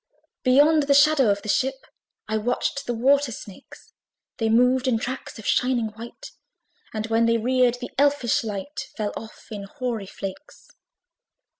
Beyond the shadow of the ship, I watched the water snakes: They moved in tracks of shining white, And when they reared, the elfish light Fell off in hoary flakes.